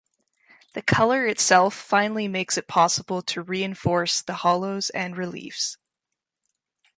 The colour itself finally makes it possible to reinforce the hollows and reliefs.